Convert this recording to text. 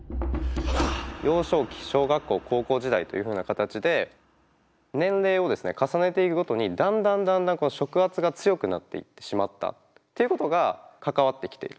幼少期小学校高校時代というふうな形で年齢をですね重ねていくごとにだんだんだんだん食圧が強くなっていってしまったっていうことが関わってきている。